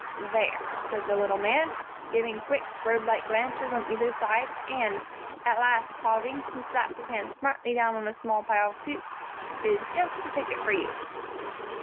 "There," said the little man, giving quick, birdlike glances on either side, and, at last pausing, he slapped his hand smartly down on a small pile of suits, "is just the ticket for you."